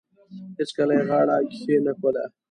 هیڅکله یې غاړه کښېنښوده.